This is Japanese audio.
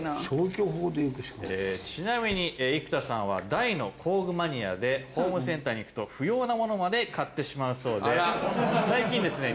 ちなみに生田さんは大の工具マニアでホームセンターに行くと不要なものまで買ってしまうそうで最近ですね